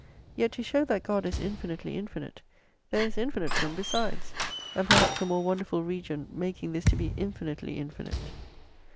Yet to show that God is infinitely infinite, there is infinite room besides, and perhaps a more wonderful region making this to be infinitely infinite.